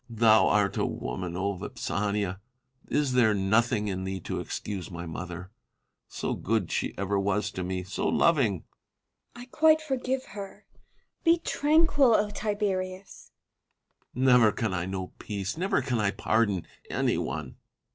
Thou art a woman, Vipsania ! is there nothing in thee to excuse my mother ? So good she ever was to me ! so loving. Vipsania. I quite forgive her : be tranquil, Tiberius ! Tiberius. Never can I know peace — never can I pardon — anyone.